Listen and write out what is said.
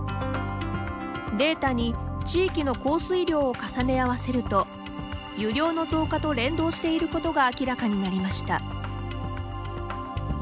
データに地域の降水量を重ね合わせると湯量の増加と連動していることが明らかになりました。